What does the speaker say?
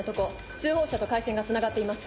通報者と回線がつながっています。